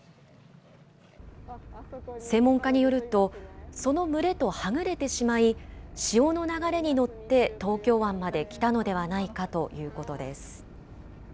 専門家によると、その群れとはぐれてしまい、潮の流れに乗って東京湾まで来たのではないかということです。